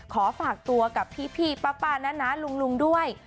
ขอฝากตัวกับพี่ป้านะลุงด้วย